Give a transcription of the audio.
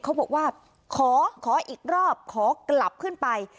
เขาบอกว่าขอขออีกรอบขอกลับขึ้นไป